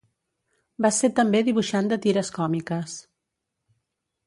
Va ser també dibuixant de tires còmiques.